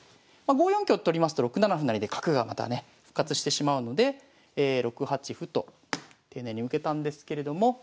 まあ５四香と取りますと６七歩成で角がまたね復活してしまうので６八歩と丁寧に受けたんですけれども。